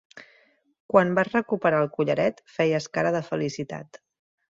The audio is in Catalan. Quan vas recuperar el collaret feies cara de felicitat.